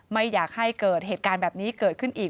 ไม่อยากให้เกิดเหตุการณ์แบบนี้เกิดขึ้นอีก